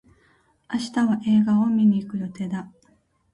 明日は映画を観に行く予定だ。